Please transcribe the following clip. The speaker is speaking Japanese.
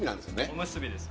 おむすびです